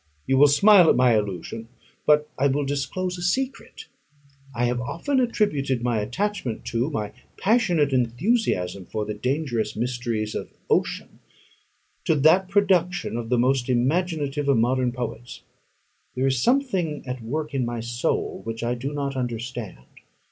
You will smile at my allusion; but I will disclose a secret. I have often attributed my attachment to, my passionate enthusiasm for, the dangerous mysteries of ocean, to that production of the most imaginative of modern poets. There is something at work in my soul, which I do not understand.